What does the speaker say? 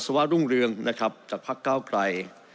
อัศวรรษรุ่งเรืองนะครับจากภก้าวไกร